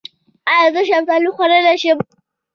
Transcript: ایا زه شفتالو خوړلی شم؟